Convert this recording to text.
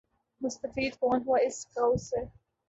مستفید کون ہوا اس کاؤس سے ۔